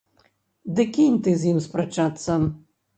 Ды кінь ты з ім спрачацца.